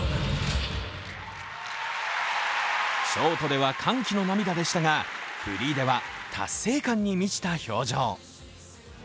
ショートでは歓喜の涙でしたがフリーでは達成感に満ちた表情。